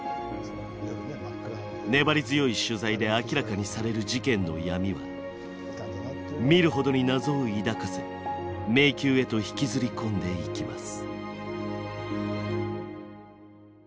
粘り強い取材で明らかにされる事件の闇は見るほどに謎を抱かせ迷宮へと引きずり込んでいきます。